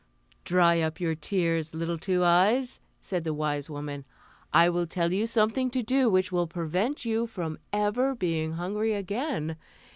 "Dry up your tears, little Two Eyes," said the wise woman; "I will tell you something to do which will prevent you from ever being hungry again.